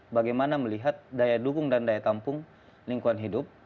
bagaimana melihat daya dukung dan daya tampung lingkungan hidup